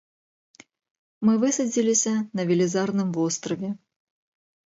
Мы высадзіліся на велізарным востраве.